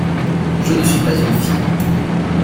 Je ne suis pas une fille.